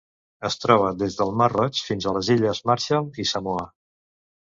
Es troba des del Mar Roig fins a les Illes Marshall i Samoa.